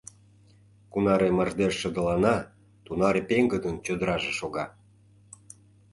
Кунаре мардеж шыдылана, тунаре пеҥгыдын чодыраже шога.